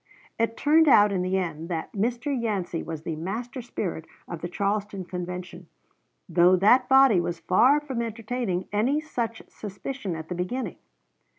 It turned out in the end that Mr. Yancey was the master spirit of the Charleston Convention, though that body was far from entertaining any such suspicion at the beginning.